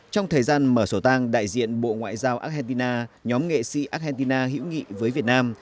trong thời gian mở sổ tang đại diện bộ ngoại giao argentina nhóm nghệ sĩ argentina hữu nghị với việt nam